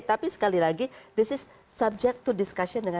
tapi sekali lagi this is subject to discussion dengan